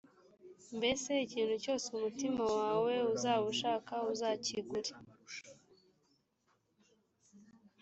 mbese ikintu cyose umutima wawe uzaba ushaka uzakigure.